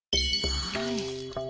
はい。